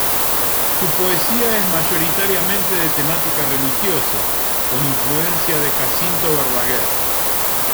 Su poesía es mayoritariamente de temática religiosa, con influencias de Jacinto Verdaguer.